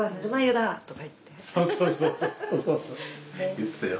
言ってたよ。